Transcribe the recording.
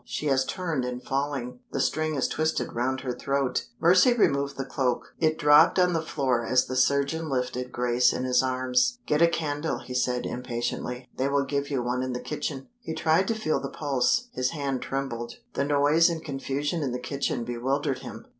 She has turned in falling; the string is twisted round her throat." Mercy removed the cloak. It dropped on the floor as the surgeon lifted Grace in his arms. "Get a candle," he said, impatiently; "they will give you one in the kitchen." He tried to feel the pulse: his hand trembled, the noise and confusion in the kitchen bewildered him.